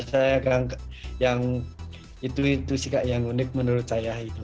saya yang itu itu sih kak yang unik menurut saya itu